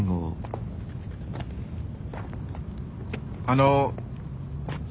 あの。